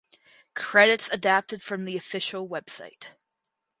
Credits adapted from the official website.